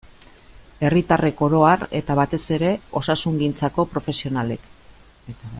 Herritarrek oro har, eta batez osasungintzako profesionalek.